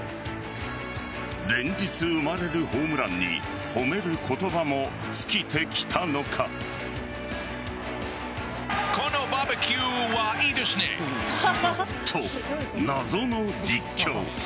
連日生まれるホームランに褒める言葉も尽きてきたのか。と、謎の実況。